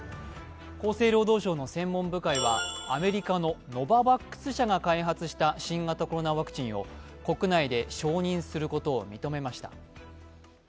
厚生労働省の専門部会はアメリカのノババックス社が開発した新型コロナワクチンを国内で承認することを認めました。